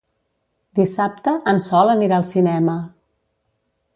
Dissabte en Sol anirà al cinema.